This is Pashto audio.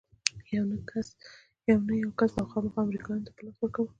يو نه يو کس به يې خامخا امريکايانو ته په لاس ورکاوه.